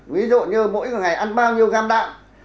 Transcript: ví dụ như mỗi ngày ăn bao nhiêu gam đạm